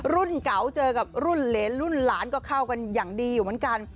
เก๋าเจอกับรุ่นเหรนรุ่นหลานก็เข้ากันอย่างดีอยู่เหมือนกัน